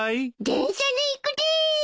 電車で行くでーす！